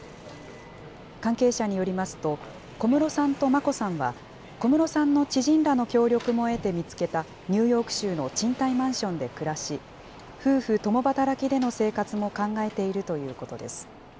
関係者によりますと、小室さんと眞子さんは、小室さんの知人らの協力も得て見つけたニューヨーク州の賃貸マンションで暮らし、夫婦共働きでの生活も考えているということです。